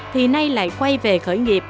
thì nay lại quay về khởi nghiệp